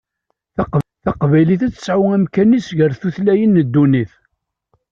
Taqbaylit ad tesɛu amkan-is gar tutlayin n ddunit.